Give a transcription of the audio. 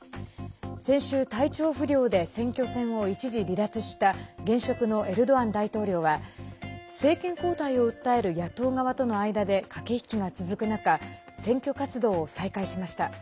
先週、体調不良で選挙戦を一時離脱した現職のエルドアン大統領は政権交代を訴える野党側との間で駆け引きが続く中選挙活動を再開しました。